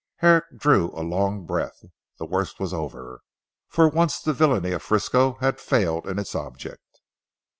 Herrick drew a long breath. The worst was over. For once the villany of Frisco had failed in its object.